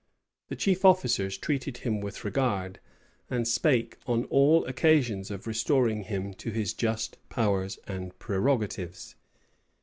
The chief officers treated him with regard, and spake on all occasions of restoring him to his just powers and prerogatives.